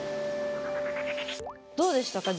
どうでしたか？